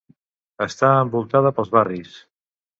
Està envoltada pels barris: